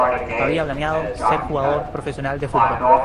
Había planeado ser un jugador profesional de fútbol.